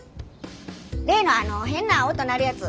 例のあの変な音鳴るやつ